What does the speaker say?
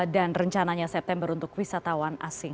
dan rencananya september untuk wisatawan asing